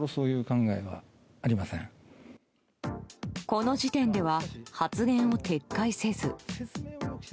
この時点では発言を撤回せず。